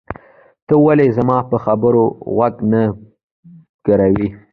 ته ولې زما په خبرو غوږ نه ګروې؟